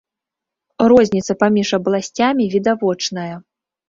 Розніца паміж абласцямі відавочная.